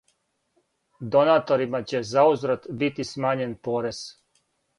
Донаторима ће заузврат бити смањен порез.